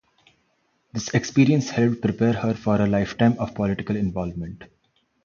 This experience helped prepare her for a lifetime of political involvement.